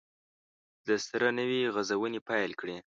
دسره نوي غزونې پیل کړي